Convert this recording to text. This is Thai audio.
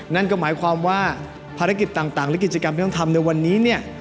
นั่นก็หมายความว่าภารกิจต่างและกิจกรรมที่ต้องทำในวันนี้เนี่ย